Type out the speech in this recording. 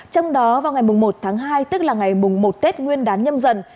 trong đó vào ngày một tháng hai tức là ngày một tết nguyên đán nhâm dần